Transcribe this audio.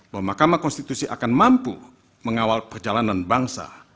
bahwa mahkamah konstitusi akan mampu mengawal perjalanan bangsa